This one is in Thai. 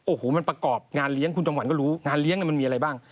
โอ้โหมันประกอบงานเลี้ยงคุณจำหวันก็รู้งานเลี้ยงมันมีอะไรบ้าง